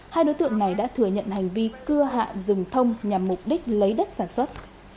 hai đối tượng này đã thừa nhận hành vi cưa hạ rừng thông nhằm mục đích lấy đất sản xuất